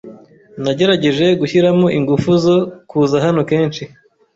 Nagerageje gushyiramo ingufu zo kuza hano kenshi.